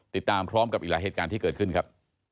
ติดตามพร้อมกับอีกหลายเหตุการณ์ที่เกิดขึ้นครับ